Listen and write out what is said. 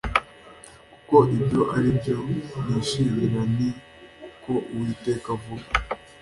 kuko ibyo ari byo nishimira. ni ko uwiteka avuga